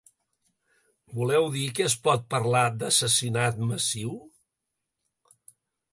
Voleu dir que es pot parlar d'assassinat massiu?